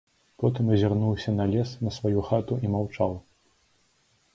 Потым азірнуўся на лес, на сваю хату і маўчаў.